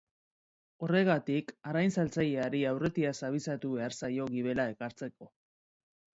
Horregatik, arrain-saltzaileari aurretiaz abisatu behar zaio gibela ekartzeko.